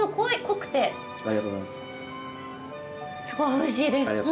すごいおいしいです。